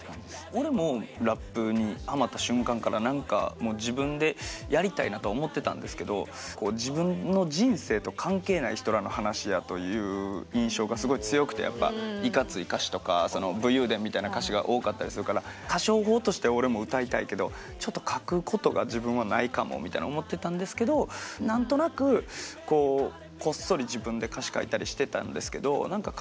俺もラップにハマった瞬間から何か自分でやりたいなと思ってたんですけど自分の人生と関係ない人らの話やという印象がすごい強くてやっぱいかつい歌詞とか武勇伝みたいな歌詞が多かったりするから歌唱法として俺も歌いたいけどちょっと書くことが自分はないかもみたいに思ってたんですけど何となくこっそり自分で歌詞書いたりしてたんですけどそれが俺何かなんですよ。